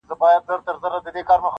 نوريې دلته روزي و ختمه سوې,